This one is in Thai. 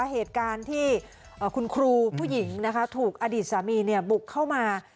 เหตุการณ์ที่คุณครูผู้หญิงถูกอดีตสามีบุกเข้ามา